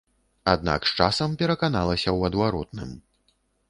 Аднак з часам пераканалася ў адваротным.